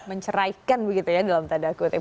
menceraikan begitu ya dalam tanda kutip